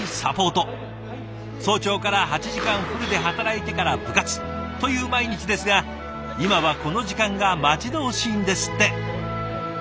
早朝から８時間フルで働いてから部活という毎日ですが今はこの時間が待ち遠しいんですって。